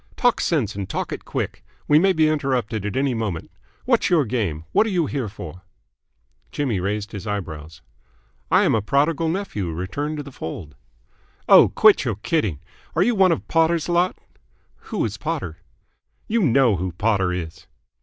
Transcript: "Talk sense and talk it quick. We may be interrupted at any moment. What's your game? What are you here for?" Jimmy raised his eyebrows. "I am a prodigal nephew returned to the fold." "Oh, quit your kidding. Are you one of Potter's lot?" "Who is Potter?" "You know who Potter is."